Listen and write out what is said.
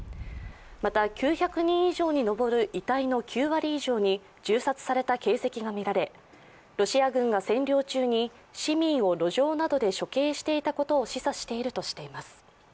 また、９００人以上に上る遺体の９割以上に銃殺された形跡が見られ、ロシア軍が占領中に市民を路上などで処刑していたことを示唆しているとしています。